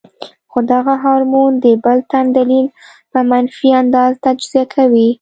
خو دغه هارمون د بل تن دليل پۀ منفي انداز تجزيه کوي -